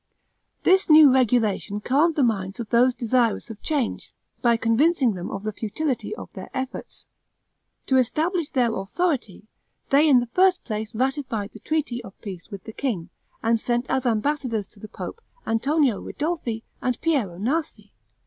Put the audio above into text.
This new regulation calmed the minds of those desirous of change, by convincing them of the futility of their efforts. To establish their authority, they in the first place ratified the treaty of peace with the king, and sent as ambassadors to the pope Antonio Ridolfi and Piero Nasi.